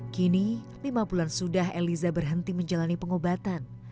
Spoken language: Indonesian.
kini lima bulan sudah eliza berhenti menjalani pengobatan